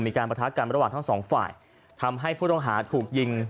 ประทะกันระหว่างทั้งสองฝ่ายทำให้ผู้ต้องหาถูกยิง